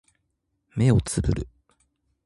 目をつぶる